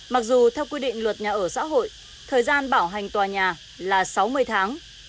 mặc dù theo quy định luật nhà ở xã hội thời gian bảo hành tòa nhà là sáu mươi tháng